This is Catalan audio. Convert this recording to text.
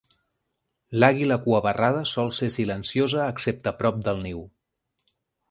L'àguila cuabarrada sol ser silenciosa excepte prop del niu.